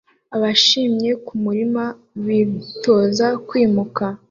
Abishimye kumurima bitoza kwimuka